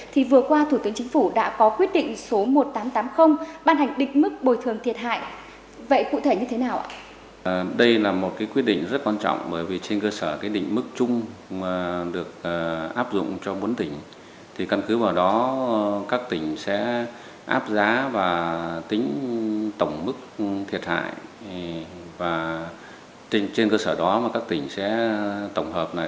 thì vừa qua thủ tướng chính phủ đã có quyết định số một nghìn tám trăm tám mươi ban hành định mức bồi thường thiệt hại